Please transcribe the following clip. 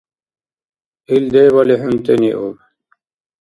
Ил дебали хӀунтӀениуб.